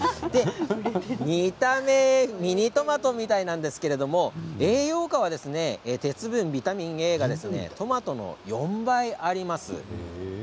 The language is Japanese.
見た目はミニトマトみたいなんですが栄養価は、鉄分、ビタミンＡがトマトの４倍あります。